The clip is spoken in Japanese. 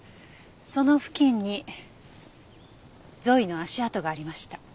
その付近にゾイの足跡がありました。